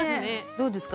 どうですか？